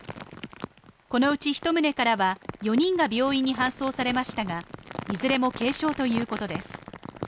このうち１棟からは４人が病院に搬送されましたがいずれも軽傷ということです。